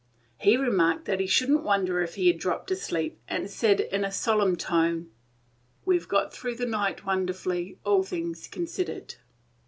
He remarked that he should n't wonder if he had dropped asleep, and added, in a solemn tone, "We 've got through the night wonderfully, all things considered."